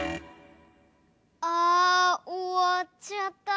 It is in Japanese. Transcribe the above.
あおわっちゃった。